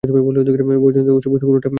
বয়সজনিত অসুখবিসুখ কোনোটাই আমার নেই।